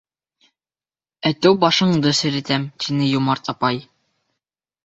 Әтеү башыңды серетәм. — тине йомарт апай.